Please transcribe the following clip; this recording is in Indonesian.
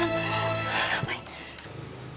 oh apaan itu